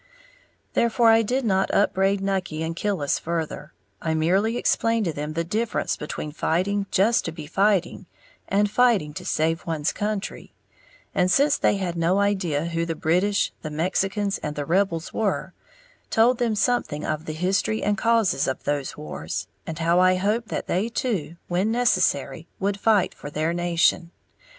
Therefore I did not upbraid Nucky and Killis further; I merely explained to them the difference between fighting just to be fighting, and fighting to save one's country, and, since they had no idea who the "British," the "Mexicans" and the "Rebels" were, told them something of the history and causes of those wars, and how I hoped that they, too, when necessary, would fight for their nation.